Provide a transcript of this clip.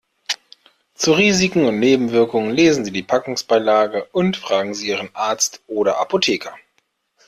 Zu Risiken und Nebenwirkungen lesen Sie die Packungsbeilage und fragen Sie Ihren Arzt oder Apotheker.